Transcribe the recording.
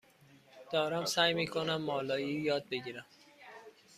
دارم سعی می کنم مالایی یاد بگیرم.